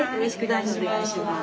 お願いします。